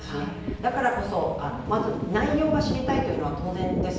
だからこそ、まず内容が知りたいというのは当然です。